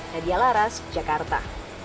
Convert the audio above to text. nadia laras jakarta